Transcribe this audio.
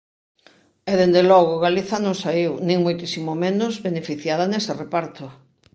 E, dende logo, Galiza non saíu, nin moitísimo menos, beneficiada nese reparto.